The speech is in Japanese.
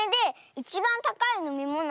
いちばんたかいのみもの。